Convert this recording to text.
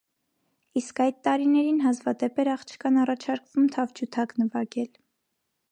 Իսկ այդ տարիներին հազվադեպ էր աղջկան առաջարկվում թավջութակ նվագել։